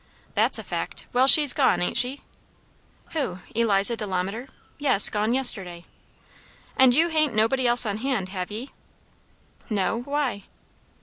"That's a fact. Well, she's gone, ain't she?" "Who, Eliza Delamater? Yes; gone yesterday." "And you hain't nobody else on hand, have ye?" "No. Why?"